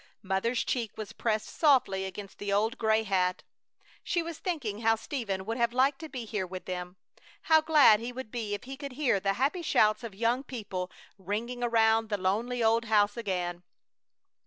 Mother's cheek was pressed softly against the old gray hat. She was thinking how Stephen would have liked to be here with them; how glad he would be if he could hear the happy shouts of young people ringing around the lonely old house again!